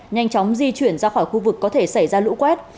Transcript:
nhanh chóng di chuyển ra khỏi khu vực có thể xảy ra lũ quét